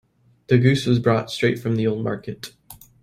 The goose was brought straight from the old market.